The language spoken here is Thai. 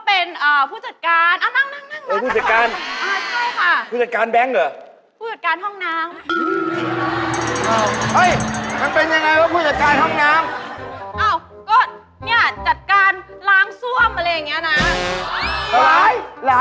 เอาสิเอาง่าย